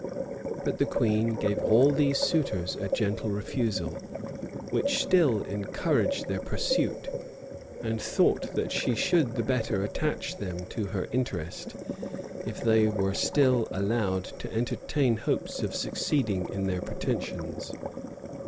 But the queen gave all these suitors a gentle refusal, which still encouraged their pursuit; and thought that she should the better attach them to her interest, if they were still allowed to entertain hopes of succeeding in their pretensions.